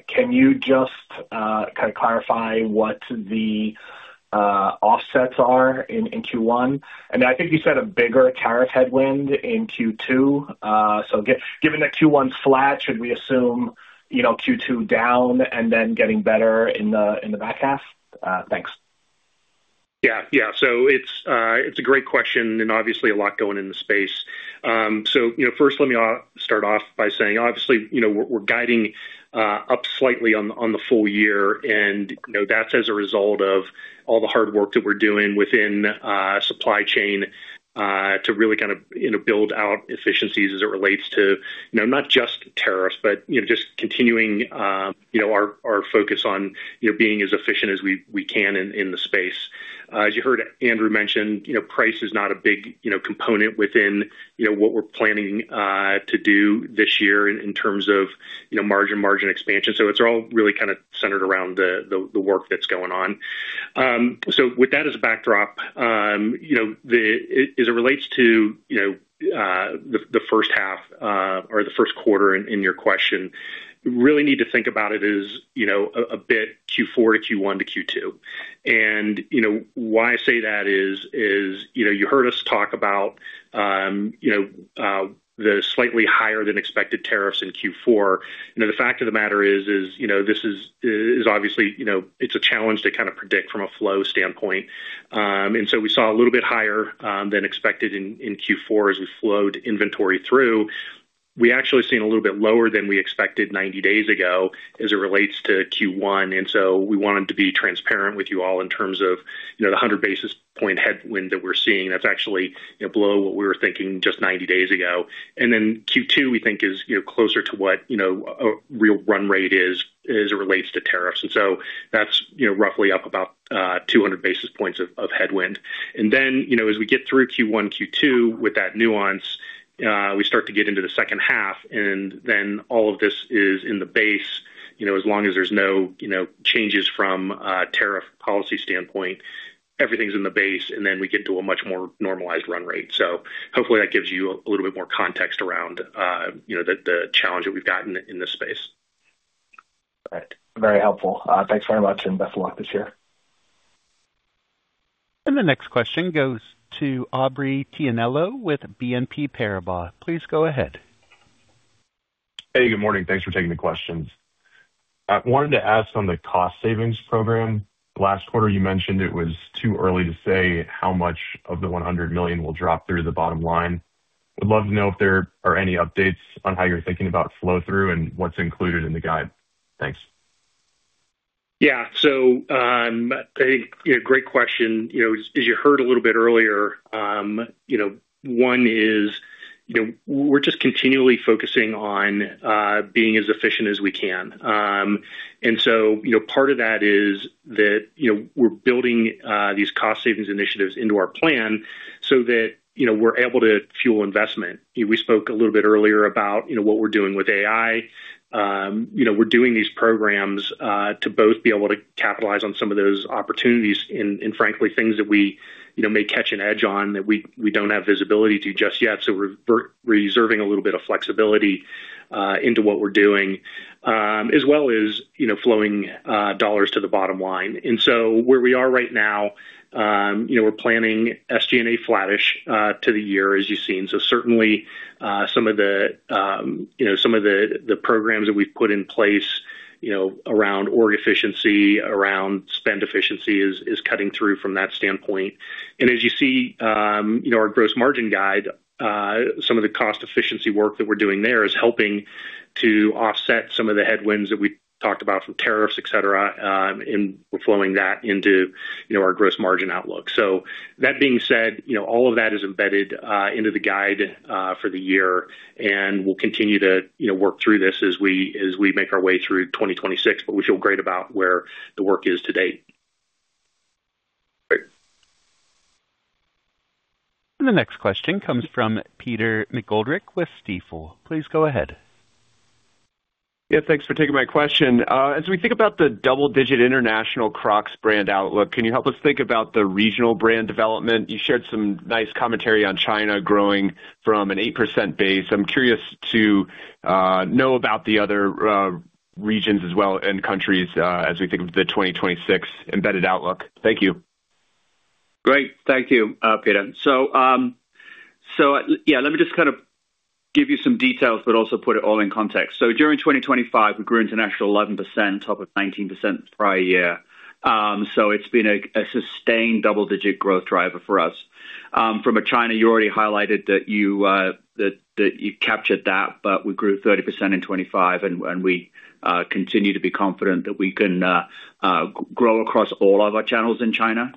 Can you just kind of clarify what the offsets are in Q1? And I think you said a bigger tariff headwind in Q2. So given that Q1 flat, should we assume, you know, Q2 down and then getting better in the back half? Thanks. Yeah. Yeah. So it's a great question and obviously a lot going in the space. So, you know, first let me start off by saying, obviously, you know, we're guiding up slightly on the full year, and, you know, that's as a result of all the hard work that we're doing within supply chain to really kind of build out efficiencies as it relates to not just tariffs, but just continuing our focus on being as efficient as we can in the space. As you heard Andrew mention, you know, price is not a big component within what we're planning to do this year in terms of margin expansion. It's all really kind of centered around the work that's going on. With that as a backdrop, you know, as it relates to, you know, the first half or the first quarter in your question, you really need to think about it as, you know, a bit Q4-Q1-Q2. You know, why I say that is, you know, you heard us talk about, you know, the slightly higher than expected tariffs in Q4. You know, the fact of the matter is, you know, this is obviously, you know, it's a challenge to kind of predict from a flow standpoint. And so we saw a little bit higher than expected in Q4 as we flowed inventory through. We actually seen a little bit lower than we expected 90 days ago as it relates to Q1, and so we wanted to be transparent with you all in terms of, you know, the 100 basis point headwind that we're seeing. That's actually, you know, below what we were thinking just 90 days ago. And then Q2, we think is, you know, closer to what, you know, a real run rate is, as it relates to tariffs. And so that's, you know, roughly up about two hundred basis points of headwind. And then, you know, as we get through Q1, Q2, with that nuance, we start to get into the second half, and then all of this is in the base. You know, as long as there's no, you know, changes from a tariff policy standpoint, everything's in the base, and then we get to a much more normalized run rate. So hopefully that gives you a little bit more context around, you know, the challenge that we've got in this space. Right. Very helpful. Thanks very much, and best of luck this year. The next question goes to Aubrey Tianello with BNP Paribas. Please go ahead. Hey, good morning. Thanks for taking the questions. I wanted to ask on the cost savings program. Last quarter, you mentioned it was too early to say how much of the $100 million will drop through the bottom line.... Would love to know if there are any updates on how you're thinking about flow-through and what's included in the guide? Thanks. Yeah. So, a great question. You know, as you heard a little bit earlier, you know, one is, you know, we're just continually focusing on being as efficient as we can. And so, you know, part of that is that, you know, we're building these cost savings initiatives into our plan so that, you know, we're able to fuel investment. We spoke a little bit earlier about, you know, what we're doing with AI. You know, we're doing these programs to both be able to capitalize on some of those opportunities and, frankly, things that we, you know, may catch an edge on, that we don't have visibility to just yet. So we're reserving a little bit of flexibility into what we're doing, as well as, you know, flowing dollars to the bottom line. So where we are right now, you know, we're planning SG&A flattish to the year, as you've seen. So certainly, some of the, you know, some of the programs that we've put in place, you know, around org efficiency, around spend efficiency, is cutting through from that standpoint. And as you see, you know, our gross margin guide, some of the cost efficiency work that we're doing there is helping to offset some of the headwinds that we talked about from tariffs, et cetera, and we're flowing that into, you know, our gross margin outlook. So that being said, you know, all of that is embedded into the guide for the year, and we'll continue to, you know, work through this as we make our way through 2026. We feel great about where the work is to date. Great. The next question comes from Peter McGoldrick with Stifel. Please go ahead. Yeah, thanks for taking my question. As we think about the double-digit international Crocs brand outlook, can you help us think about the regional brand development? You shared some nice commentary on China growing from an 8% base. I'm curious to know about the other regions as well, and countries, as we think of the 2026 embedded outlook. Thank you. Great. Thank you, Peter. So, so yeah, let me just kind of give you some details, but also put it all in context. So during 2025, we grew international 11%, top of 19% prior year. So it's been a sustained double-digit growth driver for us. From China, you already highlighted that you captured that, but we grew 30% in 2025, and we continue to be confident that we can grow across all of our channels in China.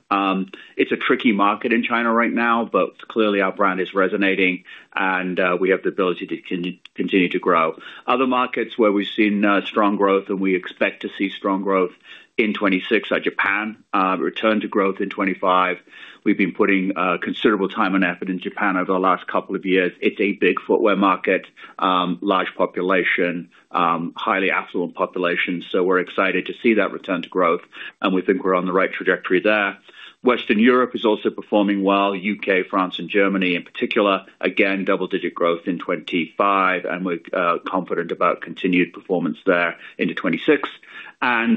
It's a tricky market in China right now, but clearly our brand is resonating and we have the ability to continue to grow. Other markets where we've seen strong growth, and we expect to see strong growth in 2026, are Japan, return to growth in 2025. We've been putting considerable time and effort in Japan over the last couple of years. It's a big footwear market, large population, highly affluent population, so we're excited to see that return to growth, and we think we're on the right trajectory there. Western Europe is also performing well, U.K., France, and Germany in particular. Again, double-digit growth in 25, and we're confident about continued performance there into 26. And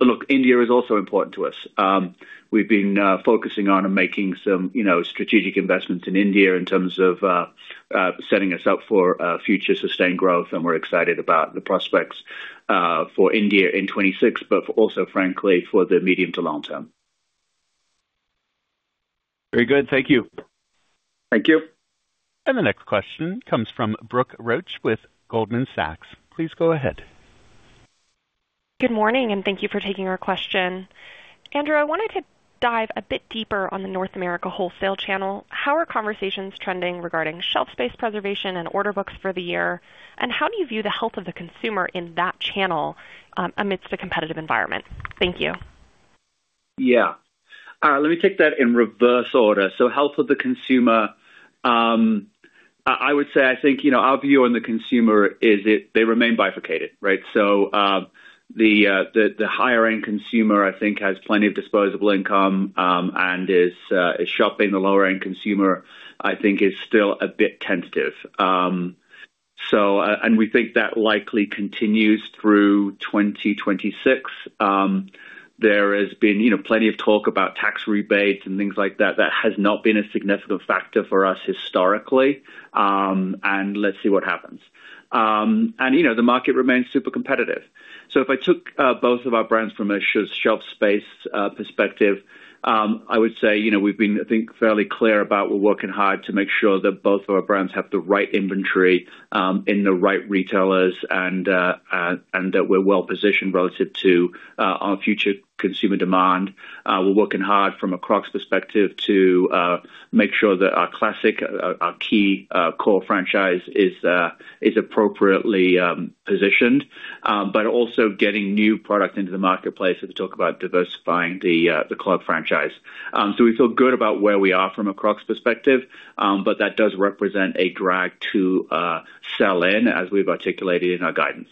look, India is also important to us. We've been focusing on and making some, you know, strategic investments in India in terms of setting us up for future sustained growth, and we're excited about the prospects for India in 2026, but also frankly, for the medium to long term. Very good. Thank you. Thank you. The next question comes from Brooke Roach with Goldman Sachs. Please go ahead. Good morning, and thank you for taking our question. Andrew, I wanted to dive a bit deeper on the North America wholesale channel. How are conversations trending regarding shelf space preservation and order books for the year? And how do you view the health of the consumer in that channel, amidst the competitive environment? Thank you. Yeah. Let me take that in reverse order. So health of the consumer, I would say, I think, you know, our view on the consumer is that they remain bifurcated, right? So, the higher end consumer, I think, has plenty of disposable income, and is shopping. The lower end consumer, I think, is still a bit tentative. And we think that likely continues through 2026. There has been, you know, plenty of talk about tax rebates and things like that. That has not been a significant factor for us historically, and let's see what happens. And you know, the market remains super competitive. So if I took both of our brands from a shelf space perspective, I would say, you know, we've been, I think, fairly clear about we're working hard to make sure that both of our brands have the right inventory in the right retailers, and that we're well positioned relative to our future consumer demand. We're working hard from a Crocs perspective to make sure that our Classic, our key core franchise is appropriately positioned. But also getting new product into the marketplace as we talk about diversifying the clog franchise. So we feel good about where we are from a Crocs perspective, but that does represent a drag to sell-in, as we've articulated in our guidance.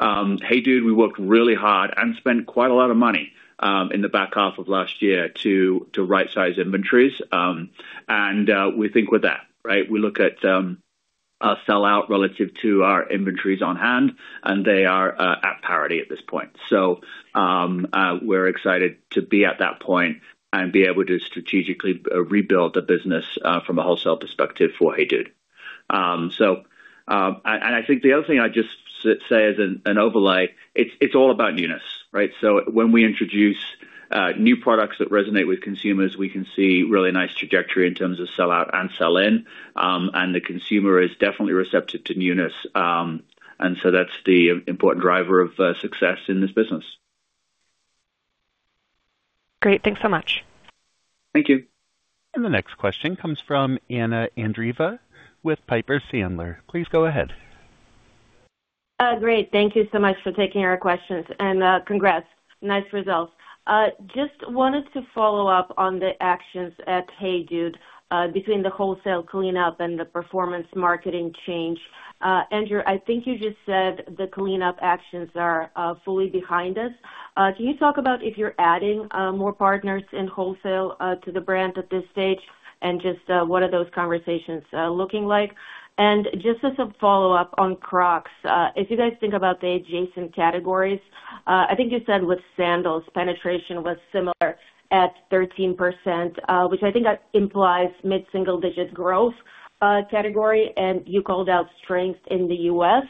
HEYDUDE, we worked really hard and spent quite a lot of money in the back half of last year to rightsize inventories. And we think we're there, right? We look at our sell-out relative to our inventories on hand, and they are at parity at this point. So, we're excited to be at that point and be able to strategically rebuild the business from a wholesale perspective for HEYDUDE. And I think the other thing I'd just say as an overlay, it's all about newness, right? So when we introduce new products that resonate with consumers, we can see really nice trajectory in terms of sell-out and sell-in. And the consumer is definitely receptive to newness. And so that's the important driver of success in this business. Great. Thanks so much. Thank you. The next question comes from Anna Andreeva with Piper Sandler. Please go ahead. Great. Thank you so much for taking our questions, and congrats. Nice results. Just wanted to follow up on the actions at HEYDUDE between the wholesale cleanup and the performance marketing change. Andrew, I think you just said the cleanup actions are fully behind us. Can you talk about if you're adding more partners in wholesale to the brand at this stage? And just, what are those conversations looking like? And just as a follow-up on Crocs, if you guys think about the adjacent categories, I think you said with sandals, penetration was similar at 13%, which I think that implies mid-single digit growth category, and you called out strength in the U.S.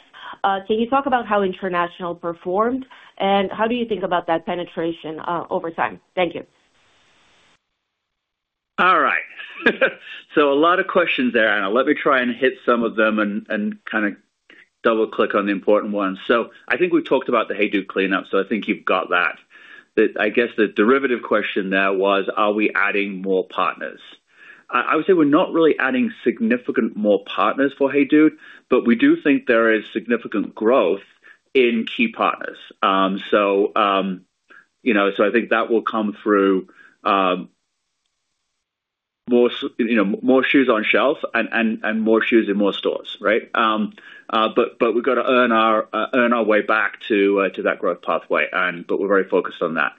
Can you talk about how international performed, and how do you think about that penetration over time? Thank you. All right. So a lot of questions there, Anna. Let me try and hit some of them and kind of double click on the important ones. So I think we talked about the HEYDUDE cleanup, so I think you've got that. I guess the derivative question there was, are we adding more partners? I would say we're not really adding significant more partners for HEYDUDE, but we do think there is significant growth in key partners. So you know, so I think that will come through more shoes on shelf and more shoes in more stores, right? But we've got to earn our way back to that growth pathway, and but we're very focused on that.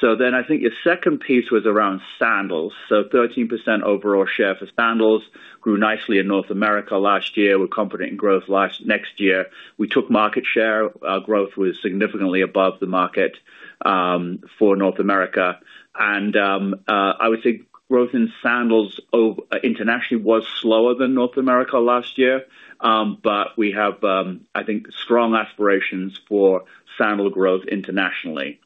So then I think your second piece was around sandals. So 13% overall share for sandals grew nicely in North America last year. We're confident in growth next year. We took market share. Our growth was significantly above the market for North America. And I would say growth in sandals internationally was slower than North America last year. But we have, I think, strong aspirations for sandal growth internationally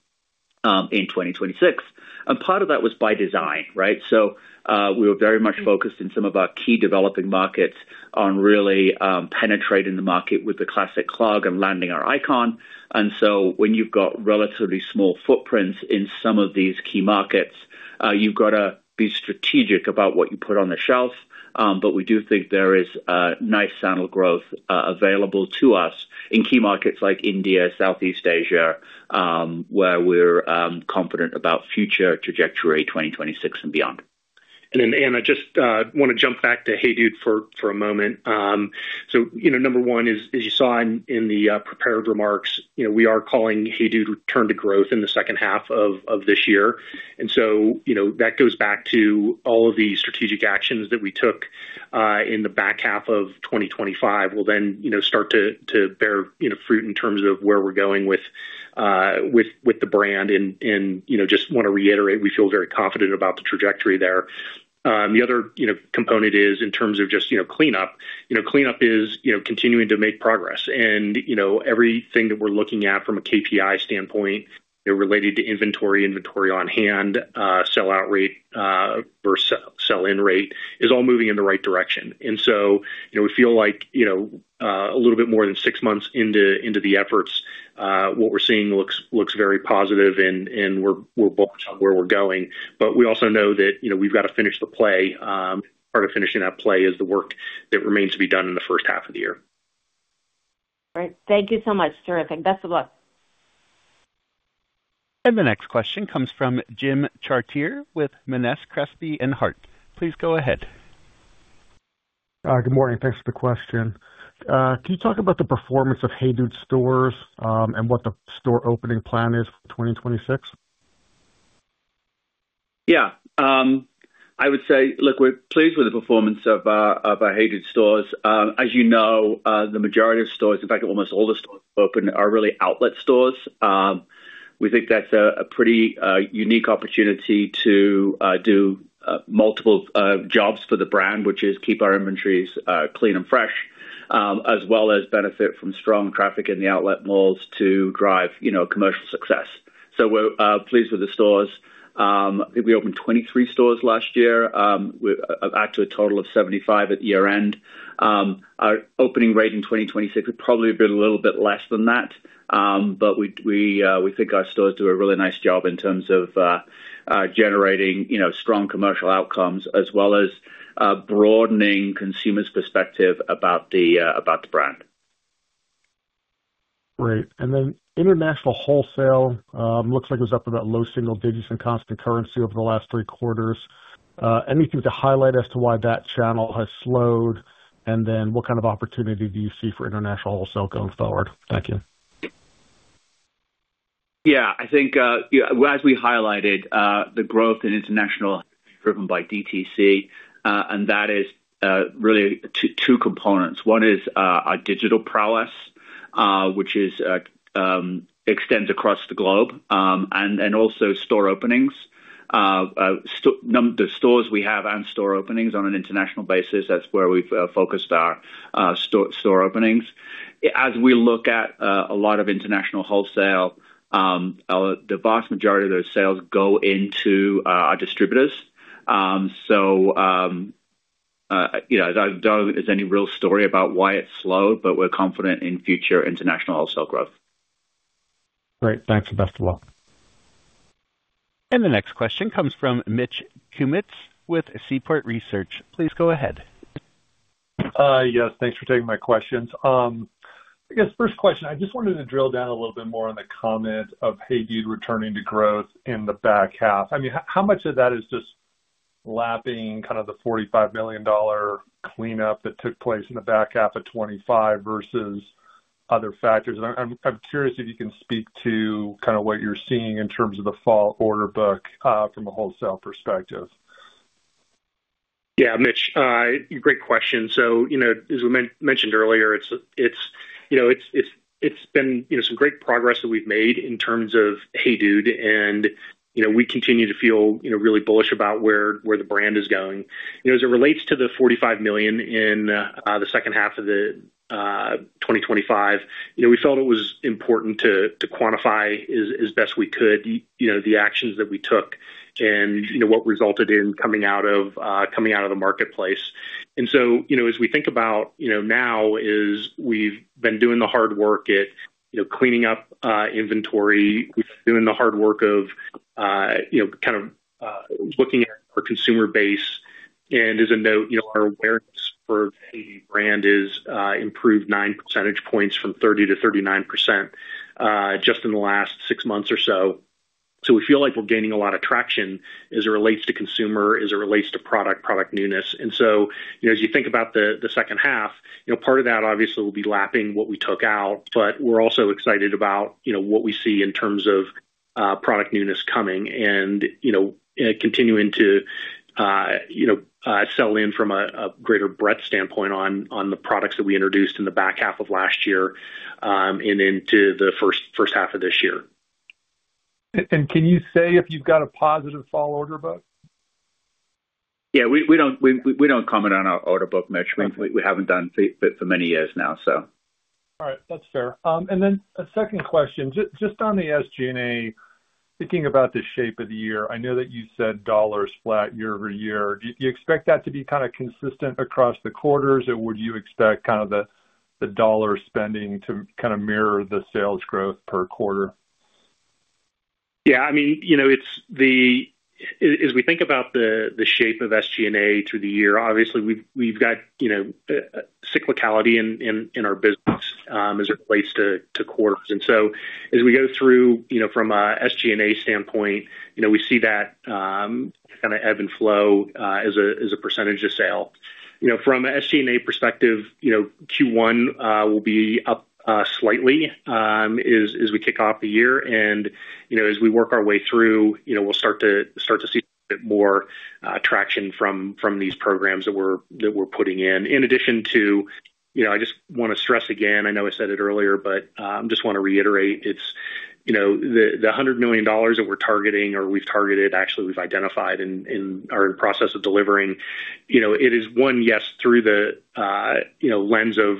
in 2026, and part of that was by design, right? So we were very much focused in some of our key developing markets on really penetrating the market with the Classic Clog and landing our icon. And so when you've got relatively small footprints in some of these key markets, you've got to be strategic about what you put on the shelf. We do think there is a nice sandal growth available to us in key markets like India, Southeast Asia, where we're confident about future trajectory, 2026 and beyond. Then, Anna, just wanna jump back to HEYDUDE for a moment. So, you know, number one is, as you saw in the prepared remarks, you know, we are calling HEYDUDE return to growth in the second half of this year. And so, you know, that goes back to all of the strategic actions that we took in the back half of 2025, will then, you know, start to bear, you know, fruit in terms of where we're going with the brand. And, you know, just want to reiterate, we feel very confident about the trajectory there. The other, you know, component is in terms of just, you know, cleanup. You know, cleanup is, you know, continuing to make progress. You know, everything that we're looking at from a KPI standpoint, related to inventory, inventory on hand, sellout rate, versus sell-in rate, is all moving in the right direction. So, you know, we feel like, you know, a little bit more than six months into the efforts, what we're seeing looks very positive and we're bullish on where we're going. But we also know that, you know, we've got to finish the play. Part of finishing that play is the work that remains to be done in the first half of the year. Great. Thank you so much. Terrific. Best of luck. The next question comes from Jim Chartier with Monness, Crespi, Hardt. Please go ahead. Good morning, and thanks for the question. Can you talk about the performance of HEYDUDE stores, and what the store opening plan is for 2026? Yeah. I would say, look, we're pleased with the performance of our HEYDUDE stores. As you know, the majority of stores, in fact, almost all the stores opened are really outlet stores. We think that's a pretty unique opportunity to do multiple jobs for the brand, which is keep our inventories clean and fresh, as well as benefit from strong traffic in the outlet malls to drive, you know, commercial success. So we're pleased with the stores. I think we opened 23 stores last year, with back to a total of 75 at year-end. Our opening rate in 2026 would probably be a little bit less than that. But we think our stores do a really nice job in terms of generating, you know, strong commercial outcomes as well as broadening consumers' perspective about the brand. Great. And then international wholesale, looks like it was up about low single digits in constant currency over the last three quarters. Anything to highlight as to why that channel has slowed, and then what kind of opportunity do you see for international wholesale going forward? Thank you. Yeah. I think, yeah, as we highlighted, the growth in international is driven by DTC, and that is, really two, two components. One is, our digital prowess-... which is, extends across the globe, and also store openings. The stores we have and store openings on an international basis, that's where we've focused our store openings. As we look at a lot of international wholesale, the vast majority of those sales go into our distributors. So, you know, I don't know if there's any real story about why it's slow, but we're confident in future international wholesale growth. Great. Thanks, and best of luck. The next question comes from Mitch Kummetz with Seaport Research. Please go ahead. Yes, thanks for taking my questions. I guess first question, I just wanted to drill down a little bit more on the comment of HEYDUDE returning to growth in the back half. I mean, how much of that is just lapping kind of the $45 million cleanup that took place in the back half of 2025 versus other factors? And I'm curious if you can speak to kind of what you're seeing in terms of the fall order book from a wholesale perspective. Yeah, Mitch, great question. So, you know, as we mentioned earlier, it's, you know, it's been, you know, some great progress that we've made in terms of HEYDUDE, and, you know, we continue to feel, you know, really bullish about where the brand is going. You know, as it relates to the $45 million in the second half of 2025, you know, we felt it was important to quantify as best we could, you know, the actions that we took and, you know, what resulted in coming out of the marketplace. So, you know, as we think about now we've been doing the hard work at cleaning up inventory. We've been doing the hard work of, you know, kind of looking at our consumer base. As a note, you know, our awareness for the brand is improved 9 percentage points from 30 to 39%, just in the last six months or so. So we feel like we're gaining a lot of traction as it relates to consumer, as it relates to product, product newness. And so, you know, as you think about the, the second half, you know, part of that obviously will be lapping what we took out, but we're also excited about, you know, what we see in terms of, product newness coming and, you know, continuing to, you know, sell in from a, a greater breadth standpoint on, on the products that we introduced in the back half of last year, and into the first, first half of this year. Can you say if you've got a positive fall order book? Yeah, we don't comment on our order book, Mitch. Okay. We haven't done for many years now, so. All right. That's fair. And then a second question. Just, just on the SG&A, thinking about the shape of the year, I know that you said dollar is flat year over year. Do you expect that to be kind of consistent across the quarters, or would you expect kind of the, the dollar spending to kind of mirror the sales growth per quarter? Yeah, I mean, you know, it's the... As we think about the shape of SG&A through the year, obviously, we've got, you know, cyclicality in our business, as it relates to quarters. And so as we go through, you know, from a SG&A standpoint, you know, we see that kind of ebb and flow, as a percentage of sale. You know, from an SG&A perspective, you know, Q1 will be up slightly, as we kick off the year. And, you know, as we work our way through, you know, we'll start to see a bit more traction from these programs that we're putting in. In addition to, you know, I just wanna stress again, I know I said it earlier, but just wanna reiterate it's, you know, the $100 million that we're targeting or we've targeted, actually, we've identified and are in process of delivering, you know, it is one, yes, through the you know lens of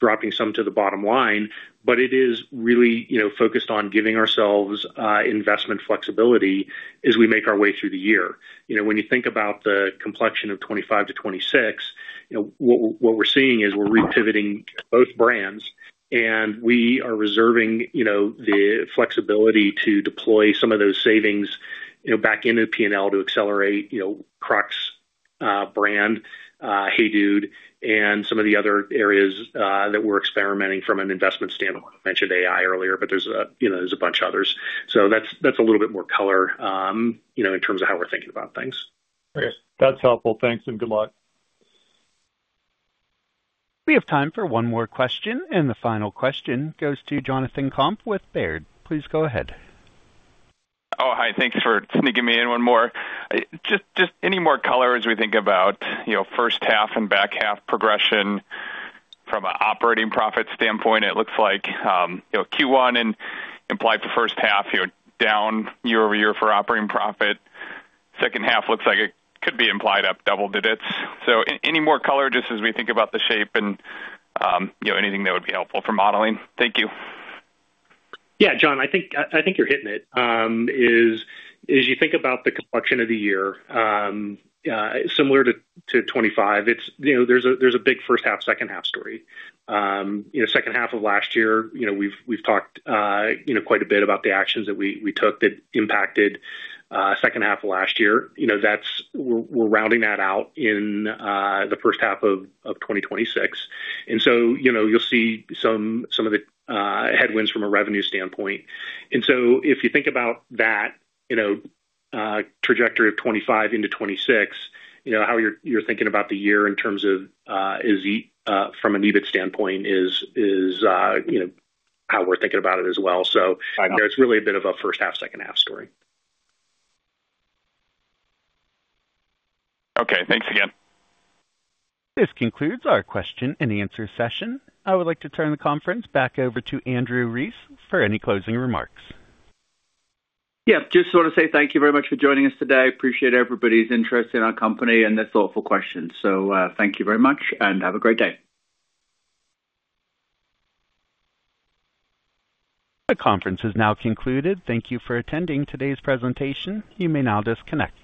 dropping some to the bottom line, but it is really, you know, focused on giving ourselves investment flexibility as we make our way through the year. You know, when you think about the complexion of 2025-2026, you know, what, what we're seeing is we're repivoting both brands, and we are reserving, you know, the flexibility to deploy some of those savings, you know, back into P&L to accelerate, you know, Crocs brand, Hey Dude, and some of the other areas that we're experimenting from an investment standpoint. I mentioned AI earlier, but there's a, you know, there's a bunch of others. So that's, that's a little bit more color, you know, in terms of how we're thinking about things. Okay. That's helpful. Thanks, and good luck. We have time for one more question, and the final question goes to Jonathan Komp with Baird. Please go ahead. Oh, hi. Thanks for sneaking me in one more. Just any more color as we think about, you know, first half and back half progression from an operating profit standpoint. It looks like, you know, Q1 and implied to first half, you're down year over year for operating profit. Second half looks like it could be implied up double digits. So any more color just as we think about the shape and, you know, anything that would be helpful for modeling? Thank you. Yeah, John, I think, I think you're hitting it. As, as you think about the complexion of the year, similar to, to 25, it's, you know, there's a, there's a big first half, second half story. You know, second half of last year, you know, we've, we've talked, you know, quite a bit about the actions that we, we took that impacted, second half of last year. You know, that's. We're, we're rounding that out in, the first half of, of 2026. And so, you know, you'll see some, some of the, headwinds from a revenue standpoint. If you think about that, you know, trajectory of 2025 into 2026, you know, how you're thinking about the year in terms of EBIT standpoint is how we're thinking about it as well. So- Got it. There's really a bit of a first half, second half story. Okay. Thanks again. This concludes our question and answer session. I would like to turn the conference back over to Andrew Rees for any closing remarks. Yeah, just want to say thank you very much for joining us today. Appreciate everybody's interest in our company and the thoughtful questions. So, thank you very much, and have a great day. The conference is now concluded. Thank you for attending today's presentation. You may now disconnect.